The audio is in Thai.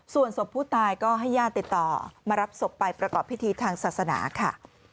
ส่วนศพผู้ตายก็ให้ญาติติดต่อมารับศพไปประกอบพิธีทางศาสนาค่ะ